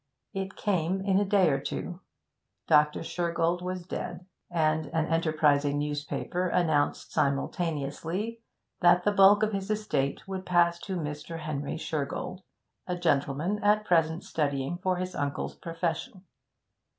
It came in a day or two. Dr. Shergold was dead, and an enterprising newspaper announced simultaneously that the bulk of his estate would pass to Mr. Henry Shergold, a gentleman at present studying for his uncle's profession.